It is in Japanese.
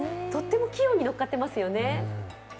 とっても起用にのっかってますよね。